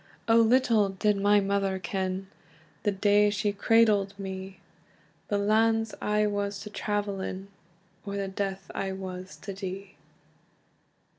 "O little did my mother ken, The day she cradled me, The lands I was to travel in, Or the death I was to die!"